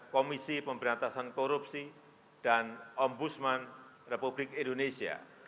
komisi pemberantasan korupsi dan ombudsman republik indonesia